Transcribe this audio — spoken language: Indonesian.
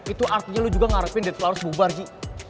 itu artinya lu juga ngarepin dead flowers bubar ji